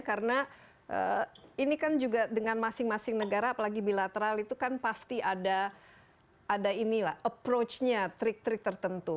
karena ini kan juga dengan masing masing negara apalagi bilateral itu kan pasti ada approach nya trik trik tertentu